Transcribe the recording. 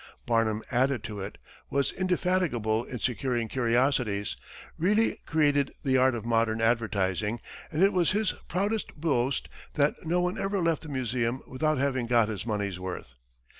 Barnum added to it, was indefatigable in securing curiosities, really created the art of modern advertising, and it was his proudest boast that no one ever left the museum without having got his money's worth.